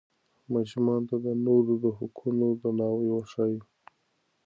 ماشومانو ته د نورو د حقونو درناوی وښایئ.